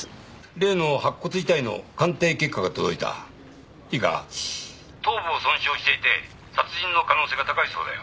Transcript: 例の白骨遺体の鑑定結果が届いたいいか頭部を損傷していて殺人の可能性が高いそうだよ